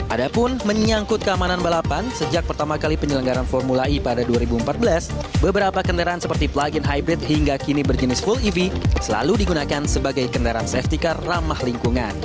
ada pun menyangkut keamanan balapan sejak pertama kali penyelenggaran formula e pada dua ribu empat belas beberapa kendaraan seperti plug in hybrid hingga kini berjenis full ev selalu digunakan sebagai kendaraan safety car ramah lingkungan